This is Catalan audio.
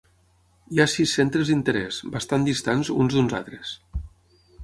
Hi ha sis centres d'interès, bastant distants uns d'uns altres.